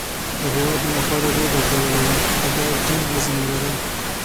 د هیواد ناخوالو ډېر دردولی یم، خو باید ټینګ عزم ولرو